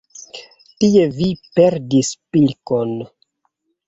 Tie vi perdis pilkon.